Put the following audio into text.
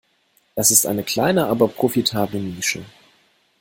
Es ist eine kleine aber profitable Nische.